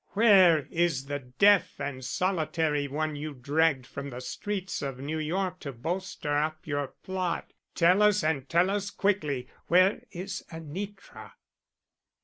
Where is the deaf and solitary one you dragged from the streets of New York to bolster up your plot? Tell us and tell us quickly. Where is Anitra?"